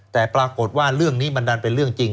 แต่ปรากฏว่าเรื่องนี้มันดันเป็นเรื่องจริง